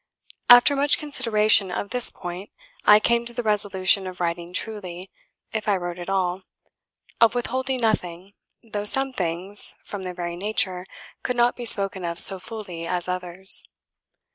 After much consideration of this point, I came to the resolution of writing truly, if I wrote at all; of withholding nothing, though some things, from their very nature, could not be spoken of so fully as others.